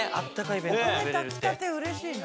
お米炊きたてうれしいな。